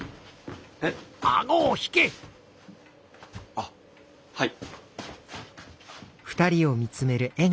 あっはい。